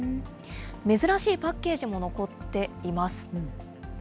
珍しいパッケージも残っています。